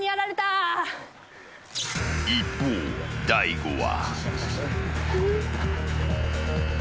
一方、大悟は。